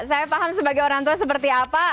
saya paham sebagai orang tua seperti apa